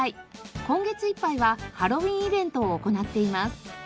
今月いっぱいはハロウィーンイベントを行っています。